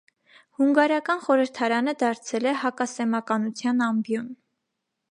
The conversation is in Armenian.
Հունգարական խորհրդարանը դարձել էր հակասեմականության ամբիոն։